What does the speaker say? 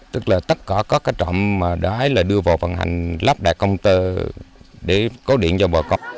tức là tất cả các trạm đáy là đưa vào phần hành lắp đặt công tơ để cố điện cho bà con